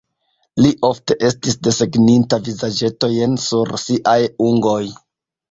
Li ofte estis desegninta vizaĝetojn sur siaj ungoj.